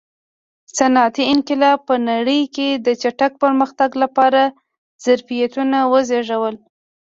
صنعتي انقلاب په نړۍ کې د چټک پرمختګ لپاره ظرفیتونه وزېږول.